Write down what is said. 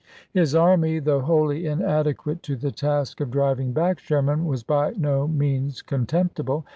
His army, though wholly inadequate to the task of driving back Sherman, was by no means con temptible.